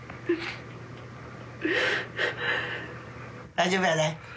大丈夫やで。